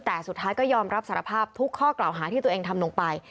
แต่สุดท้ายก็ยอมรับสารภาพทุกข้อกล่าวหาที่ตัวเองทำลงไป